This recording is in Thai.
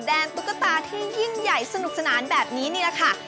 ตุ๊กตาที่ยิ่งใหญ่สนุกสนานแบบนี้นี่แหละค่ะ